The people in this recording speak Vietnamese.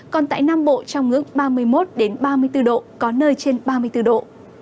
còn tại nam bộ trong ngưỡng ba mươi một ba mươi bốn độ có nơi trên ba mươi bốn độ